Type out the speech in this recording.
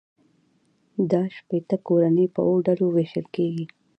دا شپیته کورنۍ په اووه ډلو وېشل کېږي